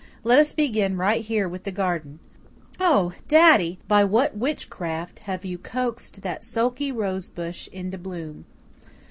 Let us begin right here with the garden. Oh, daddy, by what witchcraft have you coaxed that sulky rose bush into bloom?"